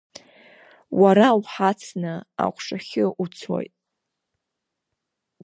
Уара уҳацны аҟәшахьы уцоит!